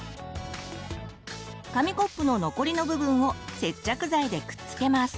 紙コップの残りの部分を接着剤でくっつけます。